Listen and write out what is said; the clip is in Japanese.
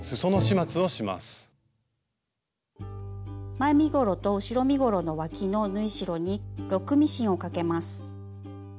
前身ごろと後ろ身ごろのわきの縫い代にロックミシンをかけます。